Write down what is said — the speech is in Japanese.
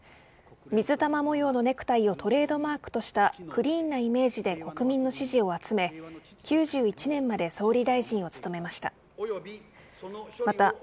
水玉模様のネクタイをトレードマークとしたクリーンなイメージで国民の支持を集め１９９１年まで総理大臣を務めました。